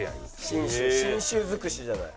信州信州尽くしじゃない。